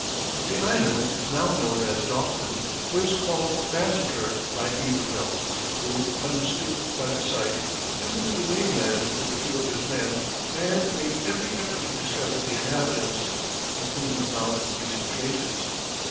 The island, now known as Dauphin, was called Massacre by Iberville, who, undisturbed by the sight, visited the mainland with a few of his men and made every effort to discover the inhabitants, of whom he found recent traces.